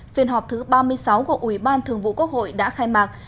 phiên họp thứ ba mươi sáu của ủy ban thường vụ quốc hội đã khai mạc